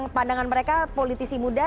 pandangan mereka politisi muda